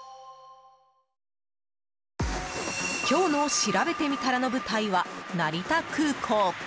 今日のしらべてみたらの舞台は成田空港。